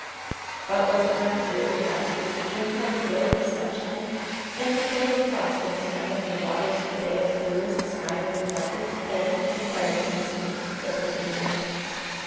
"But was it Mount Dreary last week, when we had the glorious sunshine, and the splendid frost and snow, and the waters of the bay as blue as the sky they reflected, eh?" inquired Miss Meeke, deprecatingly.